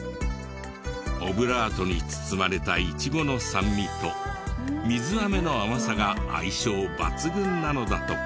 オブラートに包まれたいちごの酸味と水飴の甘さが相性抜群なのだとか。